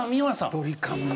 ドリカムね。